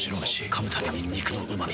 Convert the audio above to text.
噛むたびに肉のうま味。